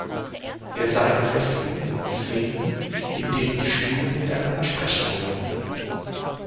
Er sei am besten in den Szenen, in denen die Figuren miteinander sprechen würden.